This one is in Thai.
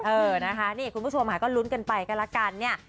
เออนะคะนี่คุณผู้ชมค่ะก็ลุ้นกันไปกันละกันเนี่ย